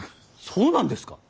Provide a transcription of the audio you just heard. そうなんですか！